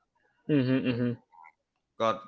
อื้อฮืออื้อฮือ